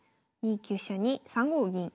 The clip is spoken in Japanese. ２九飛車に３五銀。